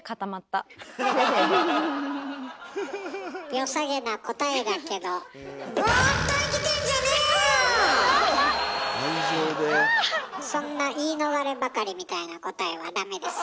よさげな答えだけどそんな言い逃ればかりみたいな答えはダメです。